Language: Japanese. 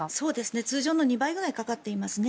通常の２倍ぐらいかかっていますね。